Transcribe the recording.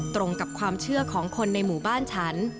ตรงกับความเชื่อของคนในหมู่บ้านฉัน